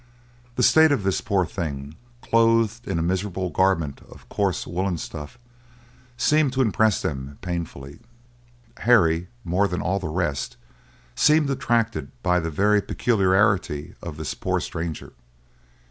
The state of this poor thing, clothed in a miserable garment of coarse woolen stuff, seemed to impress them painfully. Harry, more than all the rest, seemed attracted by the very peculiarity of this poor stranger.